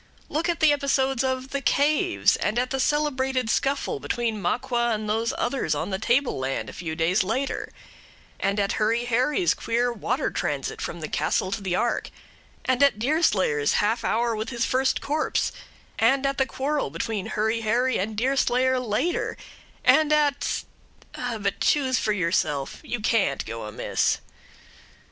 Look at the episodes of "the caves"; and at the celebrated scuffle between Maqua and those others on the table land a few days later; and at Hurry Harry's queer water transit from the castle to the ark; and at Deerslayer's half hour with his first corpse; and at the quarrel between Hurry Harry and Deerslayer later; and at but choose for yourself; you can't go amiss.